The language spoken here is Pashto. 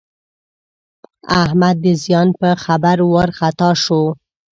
احمد د زیان په خبر وارخطا شو.